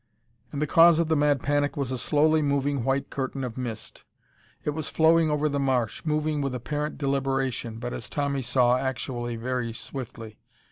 And the cause of the mad panic was a slowly moving white curtain of mist. It was flowing over the marsh, moving with apparent deliberation, but, as Tommy saw, actually very swiftly.